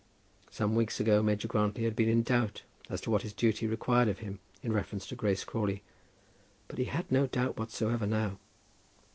Some few weeks ago Major Grantly had been in doubt as to what his duty required of him in reference to Grace Crawley; but he had no doubt whatsoever now.